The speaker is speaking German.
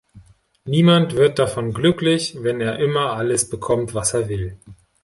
Niemand wird davon glücklich, wenn er immer alles bekommt, was er will.